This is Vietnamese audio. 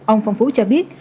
ông phong phú cho biết